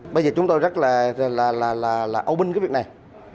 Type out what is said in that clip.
bây giờ chúng tôi rất là ấu binh cái việc này